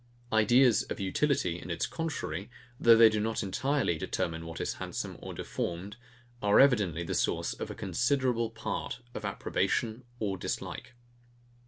Ideas of utility and its contrary, though they do not entirely determine what is handsome or deformed, are evidently the source of a considerable part of approbation or dislike.